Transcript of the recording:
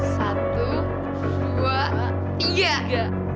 satu dua tiga